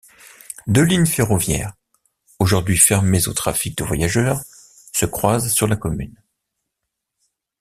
Deux lignes ferroviaires, aujourd'hui fermées au trafic de voyageurs, se croisent sur la commune.